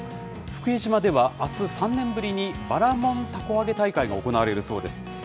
福江島ではあす、３年ぶりにばらもんたこ揚げ大会が行われるそうです。